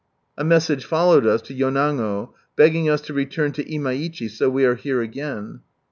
A message followed us lo Yonago, begging us to return to Imaichi, so we are here again.